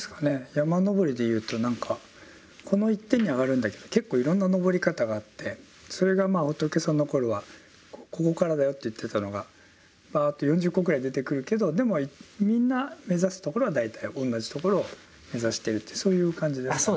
山登りで言うと何かこの１点に上がるんだけど結構いろんな登り方があってそれが仏様の頃はここからだよと言っていたのがぱっと４０個ぐらい出てくるけどでもみんな目指すところは大体同じ所を目指してるってそういう感じですかね。